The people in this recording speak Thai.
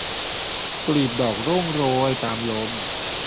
กลีบดอกร่วงโรยตามลม